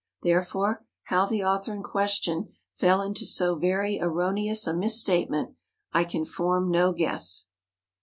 Therefore, how the author in question fell into so very erro¬ neous a misstatement, I can form no guess.